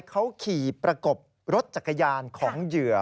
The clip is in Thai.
เขาขี่ประกบรถจักรยานของเหยื่อ